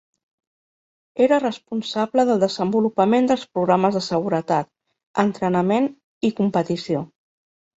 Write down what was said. Era responsable del desenvolupament dels programes de seguretat, entrenament i competició.